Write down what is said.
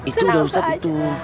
itu udah ustadz itu